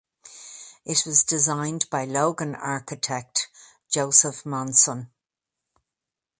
It was designed by Logan architect Joseph Monson.